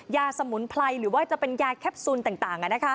สมุนไพรหรือว่าจะเป็นยาแคปซูลต่าง